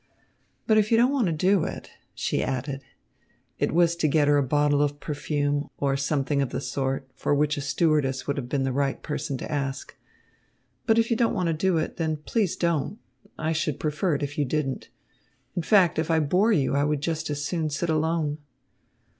"But if you don't want to do it," she added it was to get her a bottle of perfume, or something of the sort, for which a stewardess would have been the right person to ask "but if you don't want to do it, then please don't. I should prefer it if you didn't. In fact, if I bore you, I would just as soon sit alone."